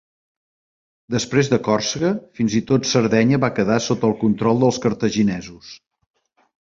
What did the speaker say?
Després de Còrsega, fins i tot Sardenya va quedar sota el control dels cartaginesos.